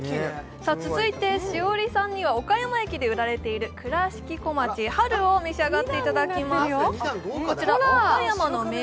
続いて、栞里さんには岡山駅で売られている倉敷小町を召し上がっていただきます。